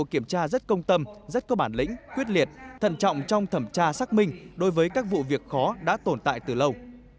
kiểm tra rất công tâm rất có bản lĩnh quyết liệt thần trọng trong thẩm tra xác minh đối với các vụ việc khó đã tồn tại từ lâu